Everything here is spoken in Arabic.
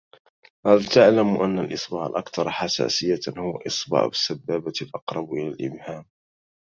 هل تعلم أن الإصبع الأكثر حساسية هو إصبع السبابة الأقرب إلى الإبهام.